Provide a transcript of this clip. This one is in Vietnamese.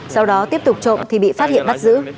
sau đó tiếp tục trộm thì bị phát hiện bắt giữ